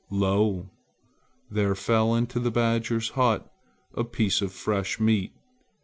Lo! there fell into the badger's hut a piece of fresh meat.